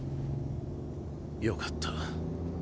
良かった。